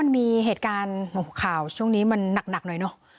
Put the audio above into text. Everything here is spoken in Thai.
มันมีเหตุการณ์ข่าวช่วงนี้มันหนักหน่อยเนอะ